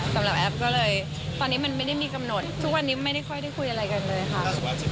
สำหรับแอฟก็เลยตอนนี้มันไม่ได้มีกำหนดทุกวันนี้ไม่ได้ค่อยได้คุยอะไรกันเลยค่ะ